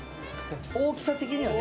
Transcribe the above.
大きさ的にはね。